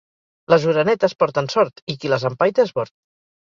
Les orenetes porten sort, i qui les empaita és bord.